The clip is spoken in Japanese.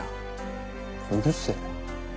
うるせえ。